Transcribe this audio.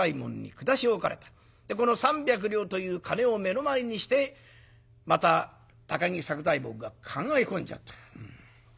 この三百両という金を目の前にしてまた高木作久左右衛門が考え込んじゃった。